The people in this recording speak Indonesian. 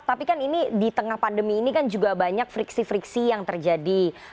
tapi kan ini di tengah pandemi ini kan juga banyak friksi friksi yang terjadi